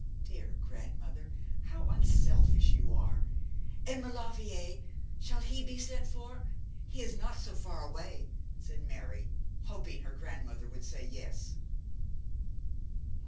'Dear grandmother, how unselfish you are! And Maulevrier, shall he be sent for? He is not so far away,' said Mary, hoping her grandmother would say yes.